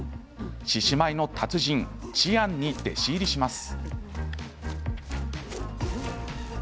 獅子舞の達人チアンに弟子入りします。